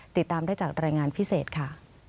ติดตามได้จากรายงานพิเศษค่ะ